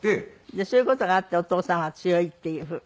じゃあそういう事があってお父さんは強いっていう。